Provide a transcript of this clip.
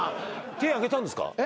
手挙げたんですか？